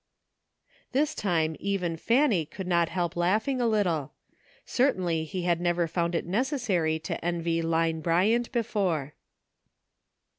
This time even Fanny could not help laugh ing a little. Certainly he had never found it necessary to envy Line Bryant before.